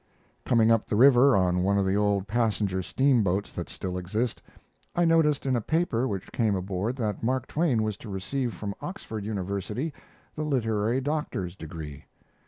Coming up the river on one of the old passenger steam boats that still exist, I noticed in a paper which came aboard that Mark Twain was to receive from Oxford University the literary doctor's degree.